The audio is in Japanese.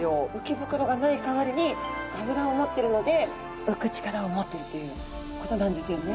鰾がない代わりに脂を持ってるので浮く力を持っているということなんですよね。